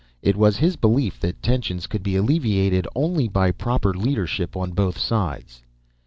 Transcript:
It was his belief that tensions could be alleviated only by proper leadership on both sides.